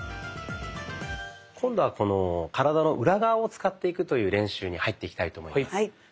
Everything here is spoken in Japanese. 今度は体の裏側を使っていくという練習に入っていきたいと思います。